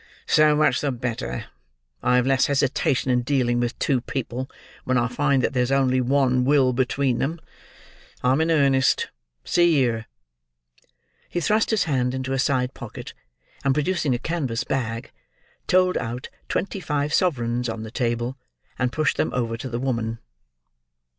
"So much the better; I have less hesitation in dealing with two people, when I find that there's only one will between them. I'm in earnest. See here!" He thrust his hand into a side pocket; and producing a canvas bag, told out twenty five sovereigns on the table, and pushed them over to the woman.